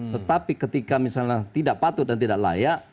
tetapi ketika misalnya tidak patut dan tidak layak